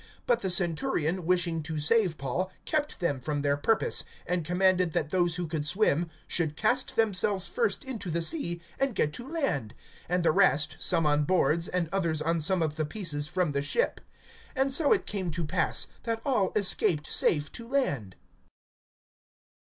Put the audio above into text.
(43)But the centurion, wishing to save Paul, kept them from their purpose; and commanded that those who could swim should cast themselves first into the sea and get to land, (44)and the rest, some on boards, and others on some of the pieces from the ship. And so it came to pass, that all escaped safe to land.